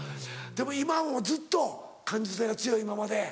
でも今もずっと感受性が強いままで？